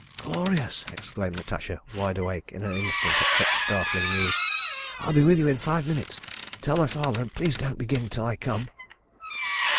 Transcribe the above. "Glorious!" exclaimed Natasha, wide awake in an instant at such startling news. "I'll be with you in five minutes. Tell my father, and please don't begin till I come."